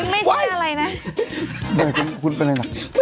พี่ขำนี่ไม่ใช่อะไรนะ